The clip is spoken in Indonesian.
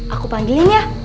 aku panggilin ya